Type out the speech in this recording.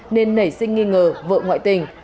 nên nảy sinh nghi ngờ vợ ngoại tình